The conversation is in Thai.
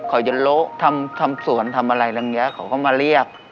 เขาจะโละทำสวนทำอะไรอะไรอย่างนี้เขาก็มาเรียก